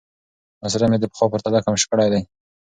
مصرف مې د پخوا په پرتله کم کړی دی.